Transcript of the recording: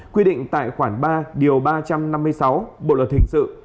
quy định tại khoản ba điều ba trăm năm mươi sáu bộ luật hình sự